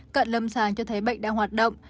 cận lâm sàng cho thấy bệnh đang hoạt động